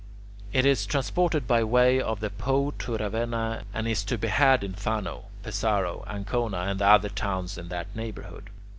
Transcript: It is transported by way of the Po to Ravenna, and is to be had in Fano, Pesaro, Ancona, and the other towns in that neighbourhood.